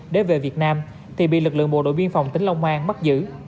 để về việt nam thì bị lực lượng bộ đội biên phòng tỉnh long an bắt giữ